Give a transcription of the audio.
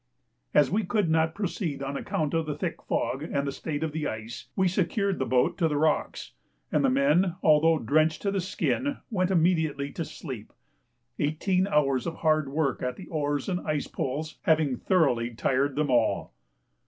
As we could not proceed on account of the thick fog and the state of the ice, we secured the boat to the rocks, and the men although drenched to the skin went immediately to sleep, eighteen hours of hard work at the oars and ice poles having thoroughly tired them all.